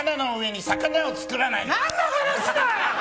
何の話だよ！